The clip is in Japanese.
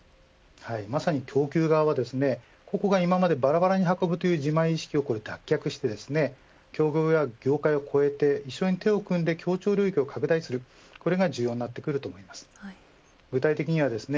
まさに供給側は今までばらばらに運ぶという自前主義を脱却して競合や業界を超えて一緒に手を組んで協調領域を拡大するこれが重要になってきます。